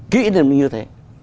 kỹ như thế